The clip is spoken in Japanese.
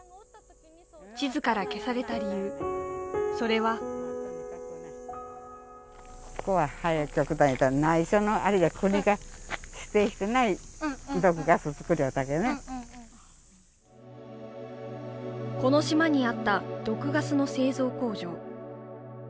地図から消された理由それはこの島にあった毒ガスの製造工場。